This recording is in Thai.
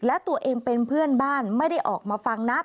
และตัวเองเป็นเพื่อนบ้านไม่ได้ออกมาฟังนะ